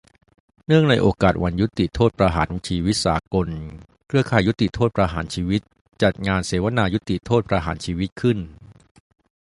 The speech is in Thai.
เนื่องในโอกาสวันยุติโทษประหารชีวิตสากล เครือข่ายยุติโทษประหารชีวิต จัดงานเสวนายุติโทษประหารชีวิตขึ้น